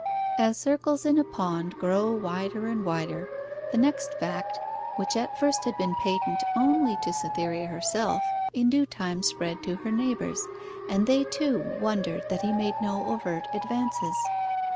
As circles in a pond grow wider and wider, the next fact, which at first had been patent only to Cytherea herself, in due time spread to her neighbours, and they, too, wondered that he made no overt advances.